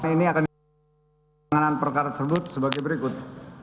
ini akan dikenal dengan perkara tersebut sebagai berikut